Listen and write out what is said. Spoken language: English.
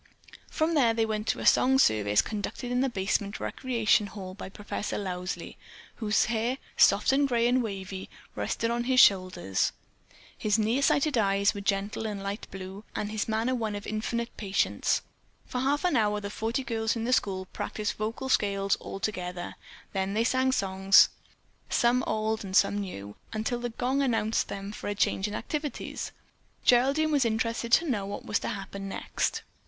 From there they went to a song service conducted in the basement recreation hall by Professor Lowsley, whose hair, soft, grey and wavy, rested on his shoulders. His near sighted eyes were gentle and light blue, and his manner one of infinite patience. For half an hour the forty girls in the school practiced vocal scales all together, then sang songs, some old and some new, until the gong announced for them a change of activities. Geraldine was interested to know what was to happen next.